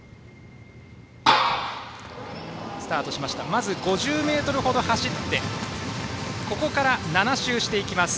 まず５０ｍほど走ってそして、７周していきます。